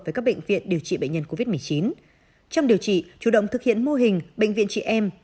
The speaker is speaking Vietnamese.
với các bệnh viện điều trị bệnh nhân covid một mươi chín trong điều trị chủ động thực hiện mô hình bệnh viện chị em